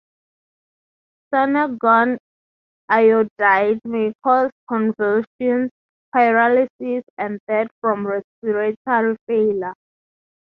Cyanogen iodide may cause convulsions, paralysis and death from respiratory failure.